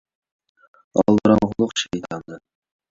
ئالدىراڭغۇلۇق شەيتاندىن.